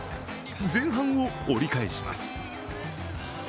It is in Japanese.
前半を折り返します。